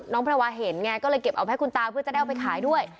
แพรวาเห็นไงก็เลยเก็บเอาไปให้คุณตาเพื่อจะได้เอาไปขายด้วย